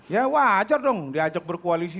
ya wajar dong diajak berkoalisi